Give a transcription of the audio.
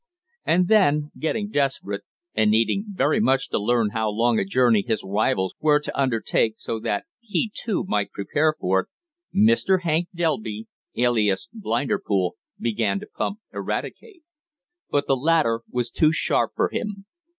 And then, getting desperate, and needing very much to learn how long a journey his rivals were to undertake, so that he, too, might prepare for it, Mr. Hank Delby, alias Blinderpool, began to "pump" Eradicate. But the latter was too sharp for him.